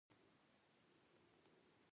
روژه د مهربانۍ درس ورکوي.